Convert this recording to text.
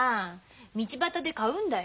道端で買うんだよ。